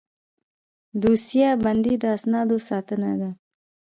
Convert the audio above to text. دوسیه بندي د اسنادو ساتنه ده